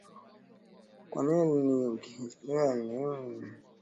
kwa Nhalevilo ni kwa kihistoriaProfessa Profesa Emília Nhalevilo ni mwanamke wa kwanza kuongoza